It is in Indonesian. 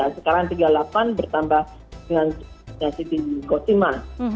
sekarang tiga puluh delapan bertambah dengan siti kotima